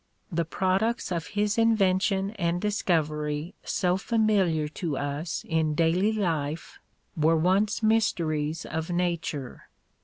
The products of his invention and discoveiy so familiar to us in daily life were once mysteries of nature.